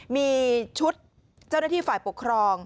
มีชุดเจ้าหน้าที่ฝ่ายปกครอง